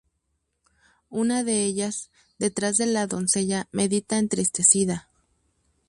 Una de ellas, detrás de la doncella medita entristecida.